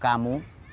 dia juga menipu kamu